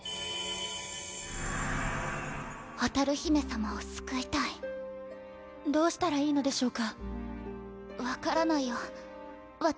蛍姫様を救いたいどうしたらいいのでしょうか分からないよ。